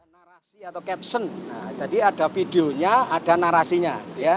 narasi atau caption jadi ada videonya ada narasinya